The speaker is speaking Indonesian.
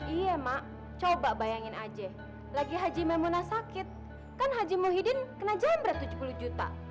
iya mak coba bayangin aja lagi haji memona sakit kan haji muhyiddin kena jam berat tujuh puluh juta